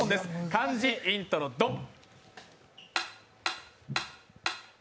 漢字イントロドン！